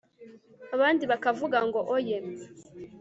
abandi bakavuga ngo oye